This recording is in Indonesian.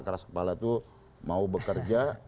keras kepala itu mau bekerja